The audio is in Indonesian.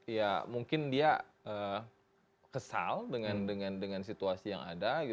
ya mungkin dia kesal dengan situasi yang ada